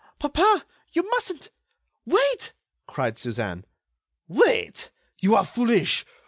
"Papa!... you mustn't! Wait!" cried Suzanne. "Wait! you are foolish!...